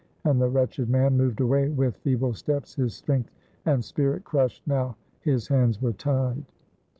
and the wretched man moved away with feeble steps, his strength and spirit crushed now his hands were tied.